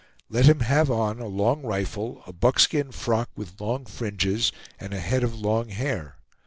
Let him have on a long rifle, a buckskin frock with long fringes, and a head of long hair.